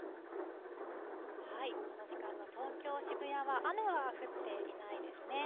この時間、東京・渋谷は雨は降っていないですね。